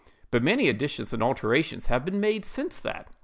But many additions and alterations have been made since that.